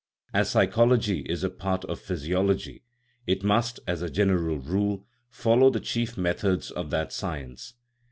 As psychology is a part of physiology, it must, as a general rule, follow the chief methods of that science.